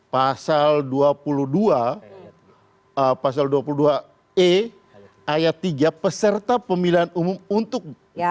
pasal dua puluh dua pasal dua puluh dua e ayat tiga peserta pemilihan umum untuk